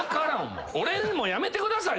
俺にもやめてください。